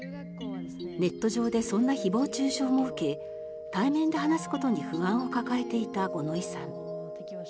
ネット上でそんな誹謗・中傷も受け対面で話すことに不安を抱えていた五ノ井さん。